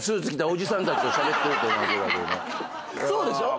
そうでしょ？